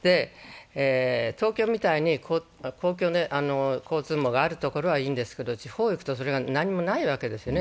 東京みたいに公共交通網があるところはいいんですけど、地方へ行くと、それが何もないわけですよね。